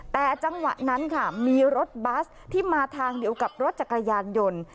แต่จังหวะนั้นค่ะมีรถบัสที่มาทางเดียวกับรถจักรยานยนต์